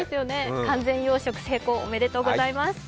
完全養殖成功、おめでとうございます。